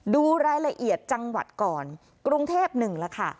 ดูรายละเอียดจังหวัดก่อนกรุงเทพหนึ่งแล้วค่ะ